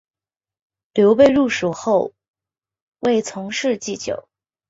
刘备入蜀后为从事祭酒。